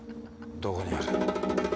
どこにある？